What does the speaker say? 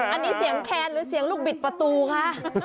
อันนี้เสียงแคนหรือเสียงลูกบิดประตูคะ